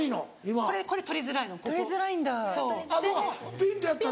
ピンとやったら？